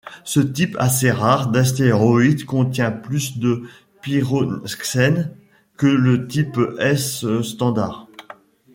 Ce type assez rare d'astéroïdes contient plus de pyroxène que le type S standard.